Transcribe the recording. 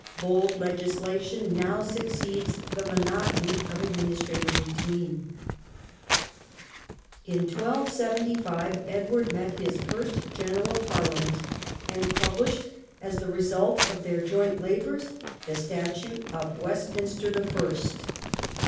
Bold legislation now succeeds the monotony of administrative routine. In 1275 Edward met his first general Parliament, and published as the result of their joint labours the Statute of Westminster the First.